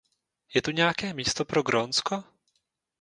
Je tu nějaké místo pro Grónsko?